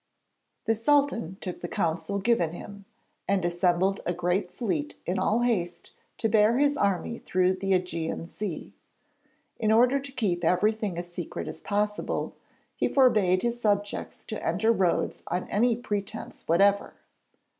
The Sultan took the counsel given him, and assembled a great fleet in all haste to bear his army through the Ægean Sea. In order to keep everything as secret as possible, he forbade his subjects to enter Rhodes on any pretence whatever.